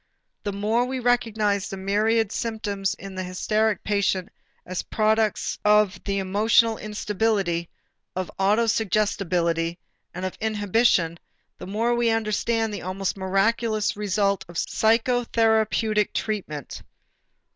The more we recognize the myriad symptoms in the hysteric patient as products of the emotional instability, of autosuggestibility and of inhibition, the more we understand the almost miraculous result of psychotherapeutic treatment.